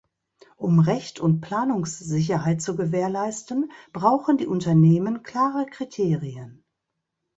Um Recht und Planungssicherheit zu gewährleisten, brauchen die Unternehmen klare Kriterien.